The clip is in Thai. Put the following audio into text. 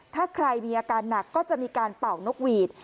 ถ้าใครมีอาการหนักก็จะมีการเป่านกหวีด